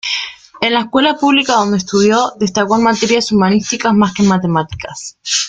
En la escuela pública donde estudió, destacó en materias humanísticas más que en matemáticas.